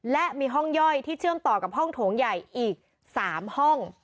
และมีห้องย่อยที่เชื่อมต่อกับห้องโถงใหญ่อีก๓ห้อง